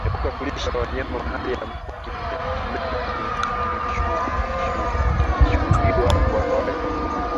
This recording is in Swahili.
Epuka kulisha wanyama mahali ambapo kimeta kilishuhudiwa hapo awali